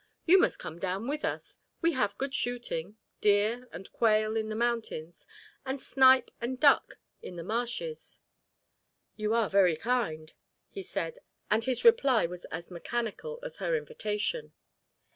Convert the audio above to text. You must come down with us; we have good shooting, deer and quail in the mountains, and snipe and duck in the marshes." "You are very kind," he said, and his reply was as mechanical as her invitation.